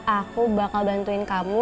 aku bakal bantuin kamu